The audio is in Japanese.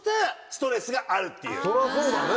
そりゃそうだね。